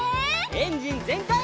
エンジンぜんかい！